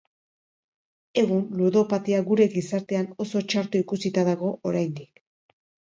Egun ludopatia gure gizartean oso txarto ikusita dago oraindik.